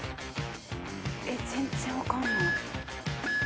えっ全然分かんない。